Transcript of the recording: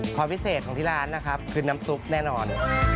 ความพิเศษของที่ร้านนะครับคือน้ำซุปแน่นอน